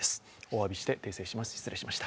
おわびして訂正します。